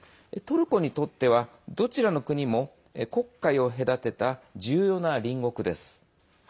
トルコにとっては、どちらの国も黒海を隔てた重要な隣国です。